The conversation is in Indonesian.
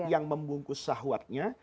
yang membungkus sahwatnya